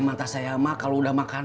dari semua bukaan